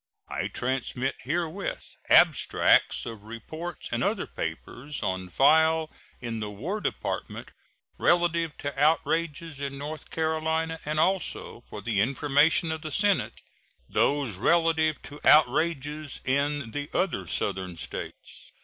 I transmit herewith abstracts of reports and other papers on file in the War Department relative to outrages in North Carolina, and also, for the information of the Senate, those relative to outrages in the other Southern States.